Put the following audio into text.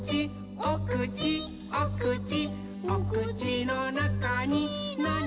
おくちおくちのなかになにがある？」